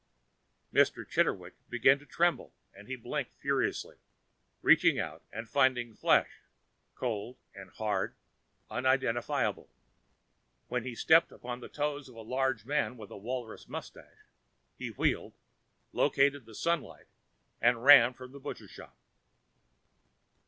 Mr. Chitterwick began to tremble and he blinked furiously, reaching out and finding flesh, cold and hard, unidentifiable. When he stepped upon the toe of a large man with a walrus mustache, he wheeled, located the sunlight and ran from the butcher shop....